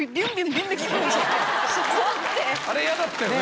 あれ嫌だったよね